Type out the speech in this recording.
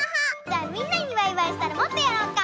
じゃあみんなにバイバイしたらもっとやろうか。